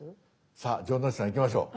さあ城之内さんいきましょう。